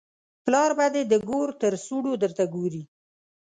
پلار به دې د ګور تر سوړو درته ګوري.